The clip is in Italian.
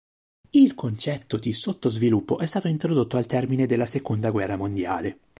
Il concetto di sottosviluppo è stato introdotto al termine della seconda guerra mondiale.